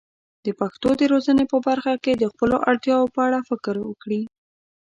د پښتو د روزنې په برخه کې د خپلو اړتیاوو په اړه فکر وکړي.